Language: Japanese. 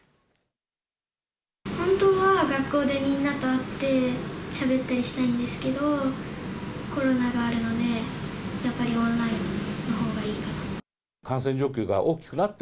本当は学校でみんなと会ってしゃべったりしたいんですけど、コロナがあるので、やっぱりオンラインのほうがいいかなって。